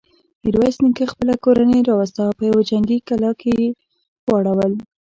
ميرويس نيکه خپله کورنۍ راوسته او په يوه جنګي کلا کې يې واړول.